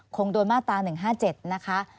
คงโดนมาตรา๑๕๗นะคะ